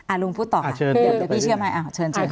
อ่าลุงพูดต่อค่ะเดี๋ยวพี่เชื่อไหมอ่าเชิญ